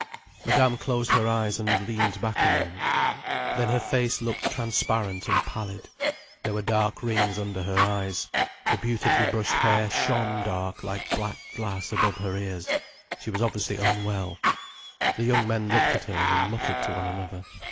Madame closed her eyes and leaned back a moment. Then her face looked transparent and pallid, there were dark rings under her eyes, the beautifully brushed hair shone dark like black glass above her ears. She was obviously unwell. The young men looked at her, and muttered to one another.